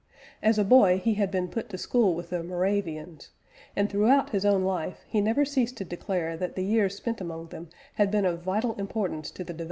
As a boy, he had been put to school with the Moravians, and throughout his own life he never ceased to declare that the years spent among them had been of vital importance to the development of his views.